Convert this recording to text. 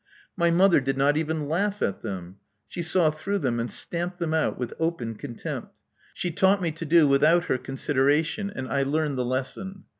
My mother did • not even laugh at them. She saw through them and stamped them out with open contempt. She taught me to do without her consideration ; and I learned the lesson.